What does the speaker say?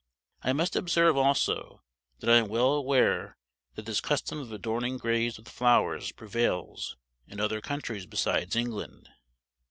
I must observe, also, that I am well aware that this custom of adorning graves with flowers prevails in other countries besides England.